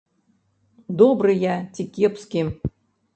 Добры я ці кепскі.